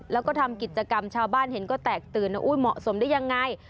แล้วก็ทำกิจกรรมชาวบ้านเห็นก็แตกตื่นเหมาะสมได้ยังไง